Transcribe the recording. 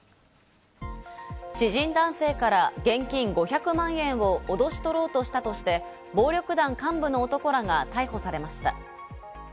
知人男性から現金５００万円を脅し取ろうとしたとして暴力団幹部の男らが逮捕されました。